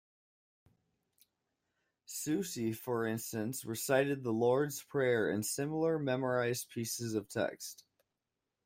Siouxsie, for instance, recited The Lord's Prayer and similar memorised pieces of text.